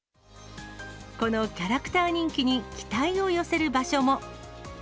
このキャラクター人気に期待を寄せる場所も。